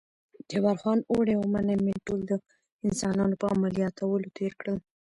جبار خان: اوړی او منی مې ټول د انسانانو په عملیاتولو تېر کړل.